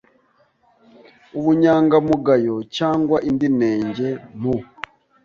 ubunyangamugayo cyangwa indi nenge mu